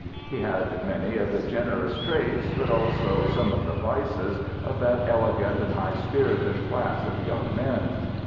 He had many of the generous traits, but also some of the vices of that elegant and high spirited class of young men.